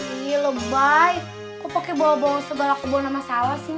ih lebay kok pakai bawa bawa segala kebon sama sawah sih mam